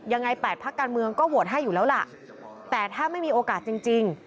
ยังไง๘พักการเมืองก็โหวตให้อยู่แล้วล่ะแต่ถ้าไม่มีโอกาสจริง